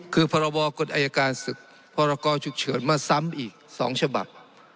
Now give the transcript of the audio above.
คือภรกฎไอ้การศึกภรกชุกเฉินมาซ้ำอีกสองฉบับ